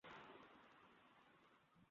এটি রচনা করেছেন স্টিভেন কনরাড।